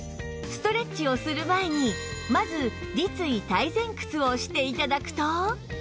ストレッチをする前にまず立位体前屈をして頂くと